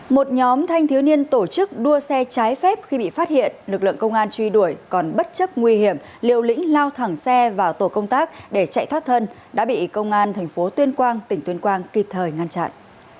một nhóm thanh thiếu niên tổ chức đua xe trái phép khi bị phát hiện lực lượng công an truy đuổi còn bất chấp nguy hiểm liều lĩnh lao thẳng xe vào tổ công tác để chạy thoát thân đã bị công an thành phố tuyên quang tỉnh tuyên quang kịp thời ngăn chặn